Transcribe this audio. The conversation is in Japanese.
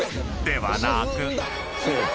［ではなく］